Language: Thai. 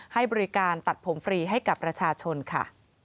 ให้บริการตัดผมฟรีให้กับประชาชนค่ะ